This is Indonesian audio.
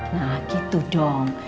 nah gitu dong